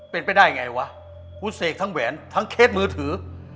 เป็นไปได้ไงวะคุณเสกทั้งแหวนทั้งเคสมือถือ